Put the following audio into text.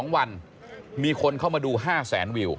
๒วันมีคนเข้ามาดู๕แสนวิว